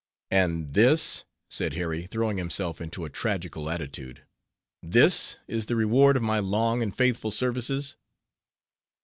"And this," said Harry, throwing himself into a tragical attitude, "this is the reward of my long and faithful services!"